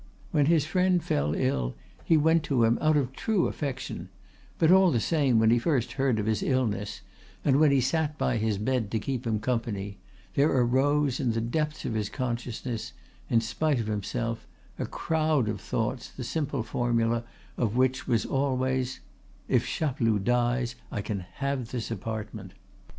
When his friend fell ill he went to him out of true affection; but all the same, when he first heard of his illness, and when he sat by his bed to keep him company, there arose in the depths of his consciousness, in spite of himself, a crowd of thoughts the simple formula of which was always, "If Chapeloud dies I can have this apartment."